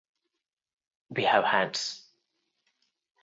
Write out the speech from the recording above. We have hands.